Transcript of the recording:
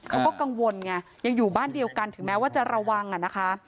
เขาก็กังวลไงยังอยู่บ้านเดียวกันถึงแม้ว่าจะระวังอ่ะนะคะ